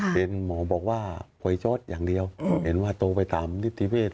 เห็นหมอบอกว่าไขว้ชอดอย่างเดียวเห็นว่าโตไปตามนิตย์ทีเวช